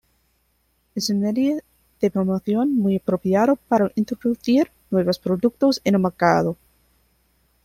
Es un medio de promoción muy apropiado para introducir nuevos productos en el mercado.